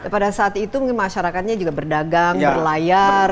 pada saat itu mungkin masyarakatnya juga berdagang berlayar